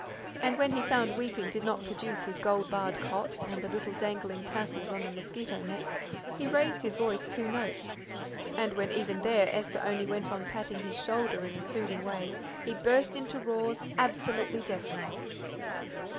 And when he found weeping did not produce his gold barred cot, and the little dangling tassels on the mosquito nets, he raised his voice two notes, and when even there Esther only went on patting his shoulder in a soothing way he burst into roars absolutely deafening.